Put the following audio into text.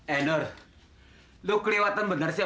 eh nur lo kelewatan bener sih